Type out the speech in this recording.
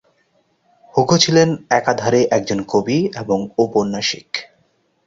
Hugo ছিলেন একাধারে একজন কবি এবং ঔপন্যাসিক।